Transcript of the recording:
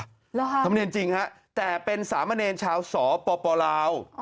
แล้วครับธรรมเนนจริงครับแต่เป็นสามเมอร์เนรชาวสปลาว